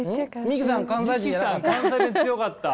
三木さん関西弁強かった。